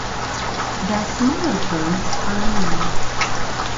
The "smaller terms" are unknown.